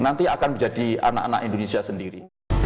nanti akan menjadi anak anak indonesia sendiri